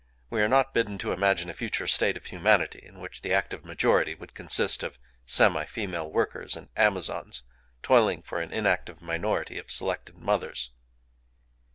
We are not bidden to imagine a future state of humanity in which the active majority would consist of semi female workers and Amazons toiling for an inactive minority of selected Mothers.